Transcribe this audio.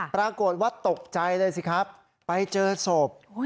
ปรากฏว่าตกใจเลยสิครับไปเจอศพ